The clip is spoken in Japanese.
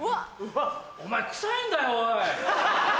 ・お前臭いんだよおい。